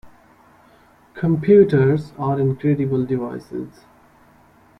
Computers are incredible devices.